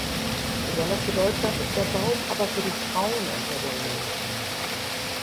Besonders bedeutsam ist der Baum aber für die Frauen unter den Menschen.